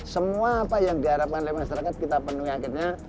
semua apa yang diharapkan oleh masyarakat kita penuhi akhirnya